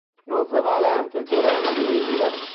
Inoltre vale anche il Teorema di Miller.